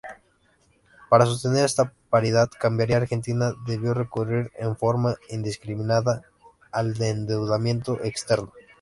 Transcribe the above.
Para sostener esa paridad cambiaria Argentina debió recurrir en forma indiscriminada al endeudamiento externo.